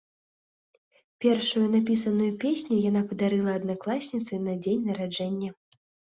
Першую напісаную песню яна падарыла аднакласніцы на дзень нараджэння.